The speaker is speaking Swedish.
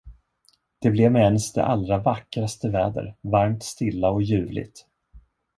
Det blev med ens det allra vackraste väder: varmt, stilla och ljuvligt.